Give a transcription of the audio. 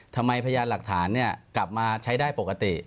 ทำไมพญาหลักฐานเนี่ยกลับมาใช้ได้ปกติ